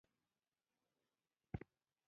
سوار پولیس د کاناډا نښه ده.